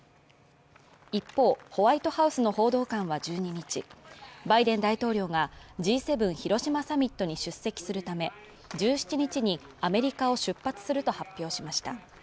一方、ホワイトハウスの報道官は１２日、バイデン大統領がＧ７広島サミットに出席するため、１７日にアメリカを出発すると発表しました。